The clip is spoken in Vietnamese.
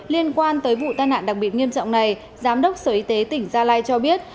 liên quan tới vụ tai nạn đặc biệt nghiêm trọng này giám đốc sở y tế tỉnh gia lai cho biết